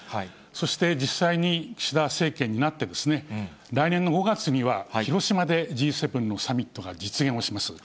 そして、実際に岸田政権になって、来年の５月には広島でＧ７のサミットが実現をします。